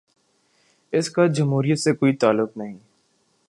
اس کا جمہوریت سے کوئی تعلق نہیں۔